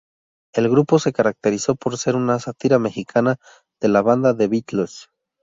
El grupo se caracterizó por ser una sátira mexicana de la banda The Beatles.